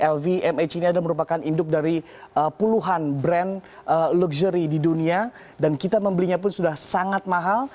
lvmh ini adalah merupakan induk dari puluhan brand luxury di dunia dan kita membelinya pun sudah sangat mahal